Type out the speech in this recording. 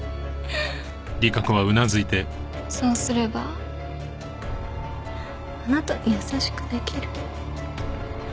そうすればあなたに優しく出来る。